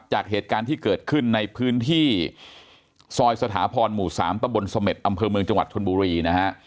จากเหตุการณ์ที่เกิดขึ้นในพื้นที่ซอยสถาพรหมู่๓ตะบนเสม็ดอำเภอเมืองจังหวัดชนบุรีนะฮะ